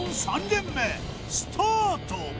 ３軒目スタート！